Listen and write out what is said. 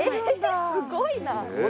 すごいな！